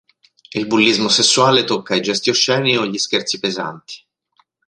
Il bullismo sessuale tocca i gesti osceni o gli scherzi pesanti.